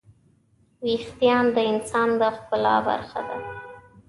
وېښتيان د انسان د ښکلا برخه ده.